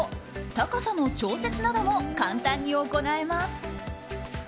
高さの調節なども簡単に行えます。